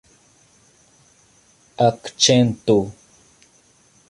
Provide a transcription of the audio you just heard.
akĉento